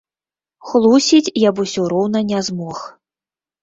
Хлусіць я б усё роўна не змог.